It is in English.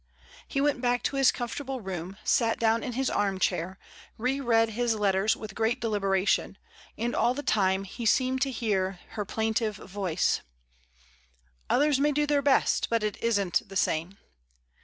He went back to his comfortable room, sat down in his arm chair, re read his letters with great delibera tion, and all the time he seemed to hear her plain tive voice, "Others may do their best, but it isn't the same."